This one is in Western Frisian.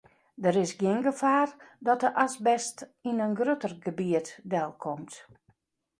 Der is gjin gefaar dat de asbest yn in grutter gebiet delkomt.